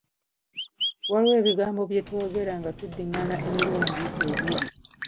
Waliwo ebigambo bye twogera nga tuddingana emirundi ebiri.